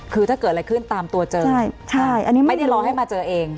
คือถ้าเกิดอะไรขึ้นตามตัวเจอใช่อันนี้ไม่ได้รอให้มาเจอเอง